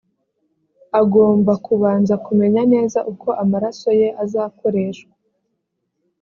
agomba kubanza kumenya neza uko amaraso ye azakoreshwa